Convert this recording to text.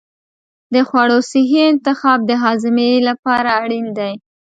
د خوړو صحي انتخاب د هاضمې لپاره اړین دی.